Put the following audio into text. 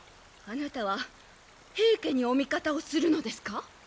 あなたは平家にお味方をするのですか？